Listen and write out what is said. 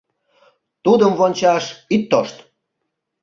Тудым вончаш ит тошт!